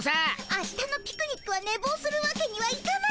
あしたのピクニックはねぼうするわけにはいかないからね。